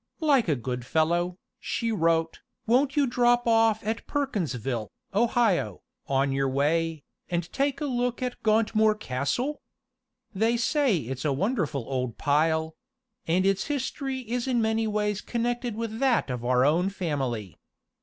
"Like a good fellow," she wrote, "won't you drop off at Perkinsville, Ohio, on your way, and take a look at Gauntmoor Castle? They say it's a wonderful old pile; and its history is in many ways connected with that of our own family.